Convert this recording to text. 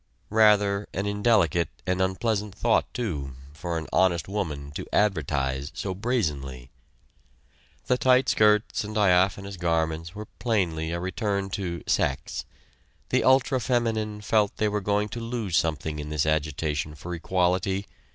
Rather an indelicate and unpleasant thought, too, for an "honest" woman to advertise so brazenly. The tight skirts and diaphanous garments were plainly a return to "sex." The ultra feminine felt they were going to lose something in this agitation for equality.